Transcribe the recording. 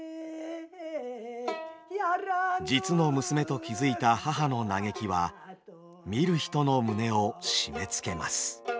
実の娘と気付いた母の嘆きは見る人の胸を締めつけます。